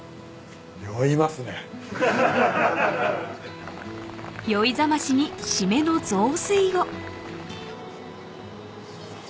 ［酔い覚ましに締めの雑炊を］